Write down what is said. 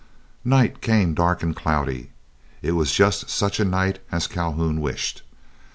Night came dark and cloudy. It was just such a night as Calhoun wished.